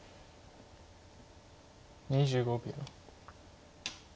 ２５秒。